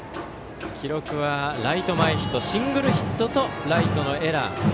記録はライト前ヒットシングルヒットとライトのエラー。